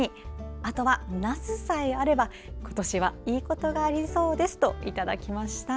あとはなすさえあれば、今年はいいことがありそうですといただきました。